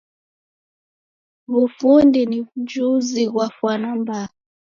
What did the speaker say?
W'ufundi ni w'ujuzi ghwa fwana mbaa.